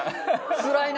つらいな。